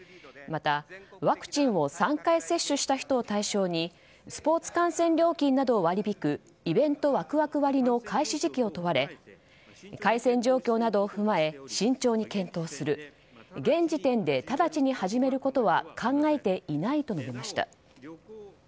またワクチンを３回接種した人を対象にスポーツ観戦料金などを割り引くイベントワクワク割の開始時期を問われ感染状況などを踏まえ慎重に検討する現時点で直ちに始めることは考えていないと述べました。